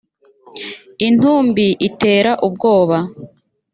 intumbi itera ubwoba